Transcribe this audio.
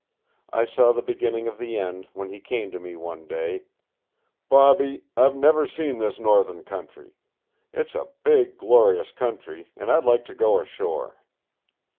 I saw the beginning of the end when he said to me one day: "Bobby, I've never seen this northern country. It's a big, glorious country, and I'd like to go ashore."